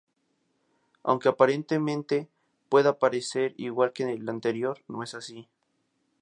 Aunque aparentemente pueda parecer igual que el anterior, no es así.